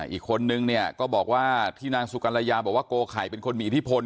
อีกคนนึงเนี่ยก็บอกว่าที่นางสุกัลยาบอกว่าโกไข่เป็นคนมีอิทธิพล